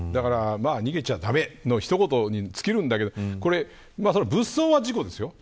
逃げちゃ駄目の一言に尽きるんだけどこれは物損は事故ですよ。